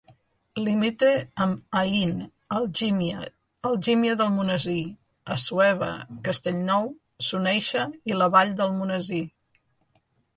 Limita amb Aín, Algímia d'Almonesir, Assuévar, Castellnou, Soneixa i La Vall d'Almonesir.